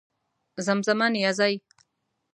زمزمه نيازۍ